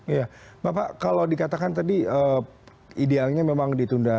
iya bapak kalau dikatakan tadi idealnya memang ditunda